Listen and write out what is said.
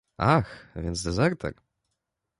"Ach, więc dezerter."